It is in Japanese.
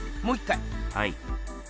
はい。